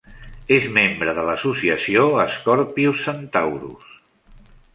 És membre de l'Associació Scorpius-Centaurus.